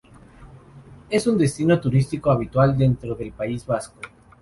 Es un destino turístico habitual dentro del País Vasco.